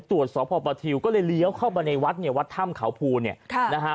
สพประทิวก็เลยเลี้ยวเข้าไปในวัดเนี่ยวัดถ้ำเขาภูเนี่ยค่ะนะฮะ